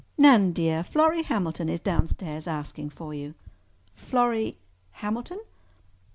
"Nan, dear, Florrie Hamilton is downstairs asking for you." "Florrie—Hamilton?"